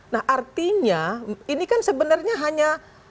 nah artinya ini kan sebenarnya hanya